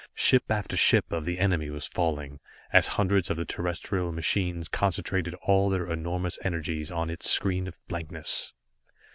Ship after ship of the enemy was falling, as hundreds of the terrestrial machines concentrated all their enormous energies on its screen of blankness.